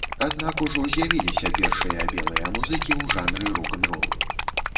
Аднак ужо з'явіліся першыя белыя музыкі ў жанры рок-н-рол.